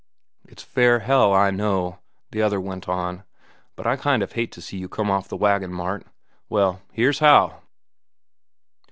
"It's fair hell, I know," the other went on, "but I kind of hate to see you come off the wagon, Mart. Well, here's how!"